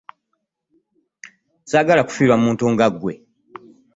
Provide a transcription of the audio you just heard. Ssaagala kufirwa muntu nga gwe.